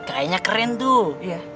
kayaknya keren tuh